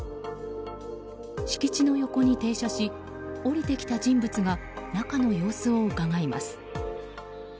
敷地の横に停車し降りてきた人物が中の様子をうかがいます。